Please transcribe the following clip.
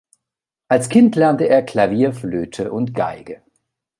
Als Kind lernte er Klavier, Flöte und Geige.